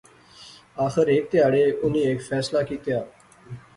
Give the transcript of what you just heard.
آخر ہیک تہاڑے انی ہیک فیصلہ کیتیا